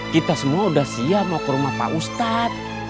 kita semua sudah siap mau ke rumah pak ustadz